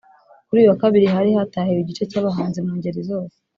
Kuri uyu wa Kabiri hari hatahiwe igice cy’abahanzi mu ngeri zose